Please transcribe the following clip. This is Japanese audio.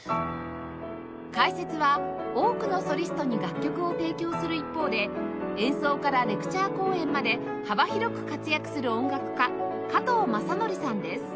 解説は多くのソリストに楽曲を提供する一方で演奏からレクチャー公演まで幅広く活躍する音楽家加藤昌則さんです